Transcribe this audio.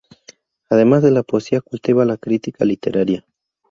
Además de la poesía cultiva la crítica literaria.